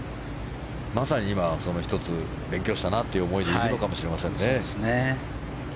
まさに今、１つ勉強したなという思いでいるのかもしれませんね。